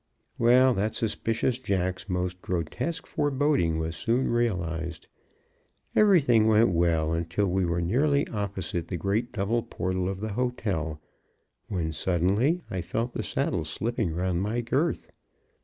Well, that suspicious jack's most grotesque foreboding was soon realized. Everything went well until we were nearly opposite the great double portal of the hotel, when, suddenly, I felt the saddle slipping round my girth.